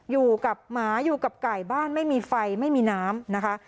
หมาอยู่กับไก่บ้านไม่มีไฟไม่มีน้ำนะคะ